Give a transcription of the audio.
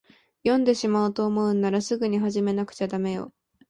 読んでしまおうと思うんなら、すぐに始めなくちゃだめよ。